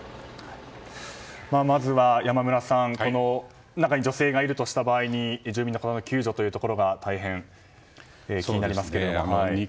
まずは、山村さん中に女性がいるとした場合に住民の方の救助というところが大変気になりますが。